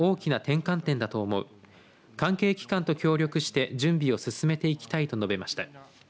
関係機関と協力して準備を進めていきたいと述べました。